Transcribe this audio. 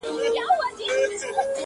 o روح مي لا ورک دی. روح یې روان دی.